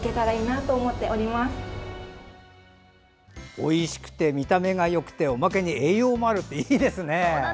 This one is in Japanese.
おいしくて見た目がよくておまけに栄養があるっていいですね。